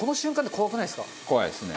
怖いですね。